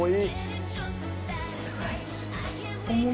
すごい。